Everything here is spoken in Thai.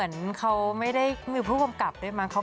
ทำไมอันนี้ฉันยังไม่รู้